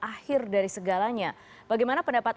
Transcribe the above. akhir dari segalanya bagaimana pendapat